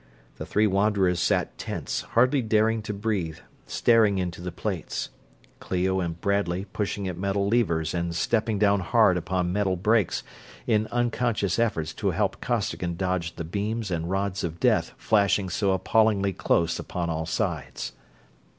The three wanderers sat tense, hardly daring to breathe, staring into the plates Clio and Bradley pushing at metal levers and stepping down hard upon metal brakes in unconscious efforts to help Costigan dodge the beams and rods of death flashing so appallingly close upon all sides.